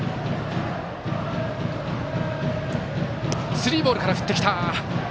スリーボールから振ってきた。